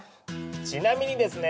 ちなみにですね